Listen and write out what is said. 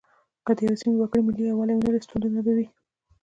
که د یوې سیمې وګړي ملي یووالی ونه لري ستونزه به وي.